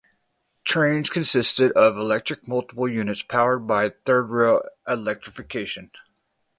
Trains consisted of electric multiple units powered by third rail electrification.